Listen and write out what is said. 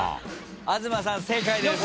東さん正解です。